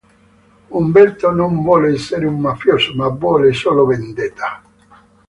Umberto non vuole essere un mafioso, ma vuole solo vendetta.